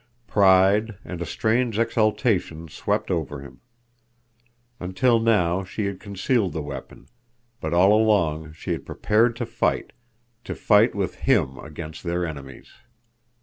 Pride and a strange exultation swept over him. Until now she had concealed the weapon, but all along she had prepared to fight—to fight with him against their enemies!